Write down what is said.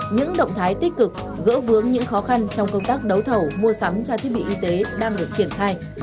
những động thái tích cực gỡ vướng những khó khăn trong công tác đấu thầu mua sắm trang thiết bị y tế đang được triển khai